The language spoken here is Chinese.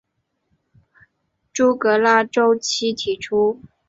朱格拉周期提出。